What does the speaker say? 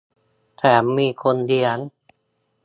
แถมมีคนเลี้ยง